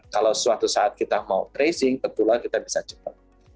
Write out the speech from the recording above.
kalau suatu saat kita mau tracing tentulah kita bisa cepat